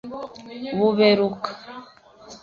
Buberuka